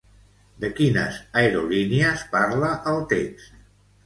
De quines aerolínies parla el text?